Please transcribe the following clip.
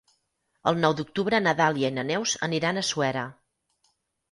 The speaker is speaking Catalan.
El nou d'octubre na Dàlia i na Neus aniran a Suera.